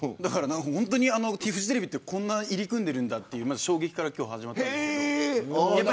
本当にフジテレビってこんなに入り組んでいるんだという衝撃から始まりました。